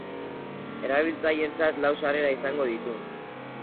Erabiltzaileentzat lau sarrera izango ditu.